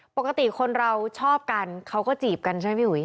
ปกติคนเราชอบกันเขาก็จีบกันใช่ไหมพี่อุ๋ย